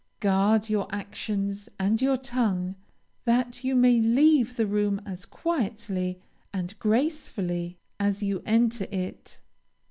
Guard your actions and your tongue, that you may leave the room as quietly and gracefully as you enter it.